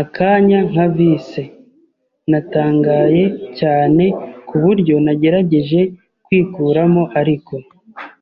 akanya nka vise. Natangaye cyane ku buryo nagerageje kwikuramo, ariko